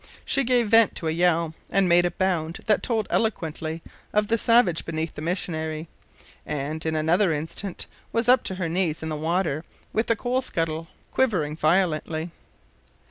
She gave vent to a yell and made a bound that told eloquently of the savage beneath the missionary, and, in another instant was up to the knees in the water with the coal scuttle quivering violently.